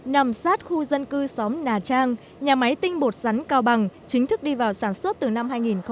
nằm sát khu dân cư xóm nà trang nhà máy tinh bột sắn cao bằng chính thức đi vào sản xuất từ năm hai nghìn một mươi chín